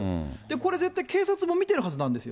これ絶対、警察も見てるはずなんですよ。